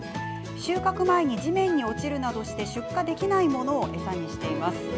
収穫前に地面に落ちるなどして出荷できないものを餌にしています。